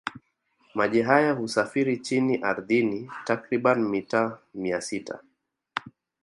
Maji haya husafiri chini ardhini takribani mita mia sita